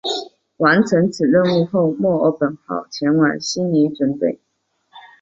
完成此任务后墨尔本号前往悉尼准备开始就搭载新定翼机进行改装。